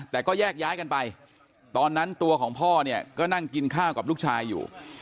แต่ก็แยกย้ายกันไปตอนนั้นตัวของพ่อเนี่ยก็นั่งกินข้าวกับลูกชายอยู่